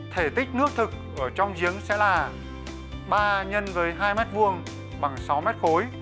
thể tích nước thực ở trong giếng sẽ là ba x hai mét vuông bằng sáu mét khối